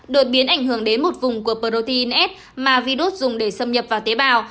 đột biến ảnh hưởng đến một vùng của protein s mà virus dùng để xâm nhập vào tế bào